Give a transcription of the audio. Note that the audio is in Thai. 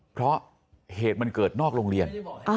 เพราะเหตุมันเกิดนอกโรงเรียน